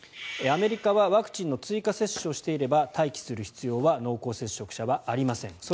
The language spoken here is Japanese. アメリカはワクチンの追加接種をしていれば、待機する必要は濃厚接触者はありません。